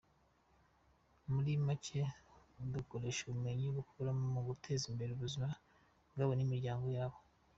Muri make bakoresha ubumenyi bakuramo mu guteza imbere ubuzima bwabo n’ubw’imiryango yabo.